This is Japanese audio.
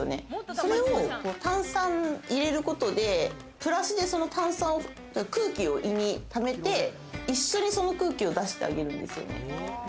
それを炭酸入れることで、プラスでその炭酸を、空気を胃に溜めて一緒に、その空気を出してあげるんですよね。